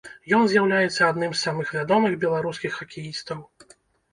Ён з'яўляецца адным з самых вядомых беларускіх хакеістаў.